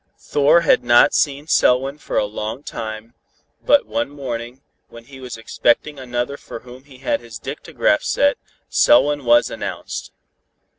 Thor had not seen Selwyn for a long time, but one morning, when he was expecting another for whom he had his dictagraph set, Selwyn was announced.